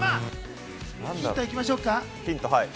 ヒント行きましょうか。